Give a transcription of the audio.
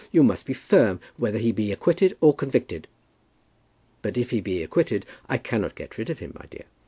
You must be firm whether he be acquitted or convicted." "But if he be acquitted, I cannot get rid of him, my dear."